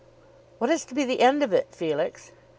"What is to be the end of it, Felix?"